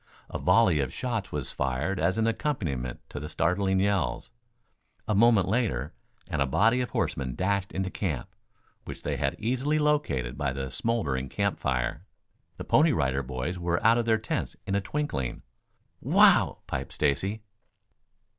A volley of shots was fired as an accompaniment to the startling yells. A moment later and a body of horsemen dashed into camp, which they had easily located by the smouldering camp fire. The Pony Rider Boys were out of their tents in a twinkling. "Wow!" piped Stacy.